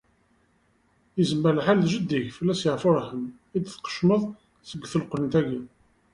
Yezmer lḥal d jeddi-k, fell-as yeɛfu yerḥem, i d-tqecmeḍ seg telqent-agi.